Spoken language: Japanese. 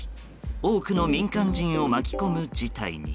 多くの民間人を巻き込む事態に。